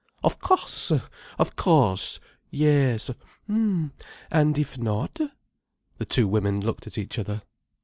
"Of course! Of course! Yes! H'm! And if not?" The two women looked at each other.